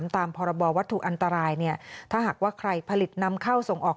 ตามพรบวัตถุอันตรายเนี่ยถ้าหากว่าใครผลิตนำเข้าส่งออก